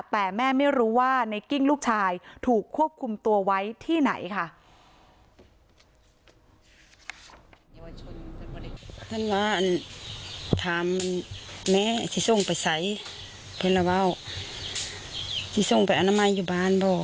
แต่แม่ไม่รู้ว่าในกิ้งลูกชายถูกควบคุมตัวไว้ที่ไหนค่ะ